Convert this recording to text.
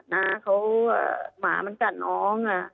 น้าเขาหมามันกัดน้อง